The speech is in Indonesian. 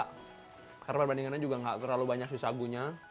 karena perbandingannya juga enggak terlalu banyak sisagunya